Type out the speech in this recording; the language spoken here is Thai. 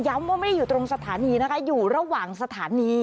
ว่าไม่ได้อยู่ตรงสถานีนะคะอยู่ระหว่างสถานี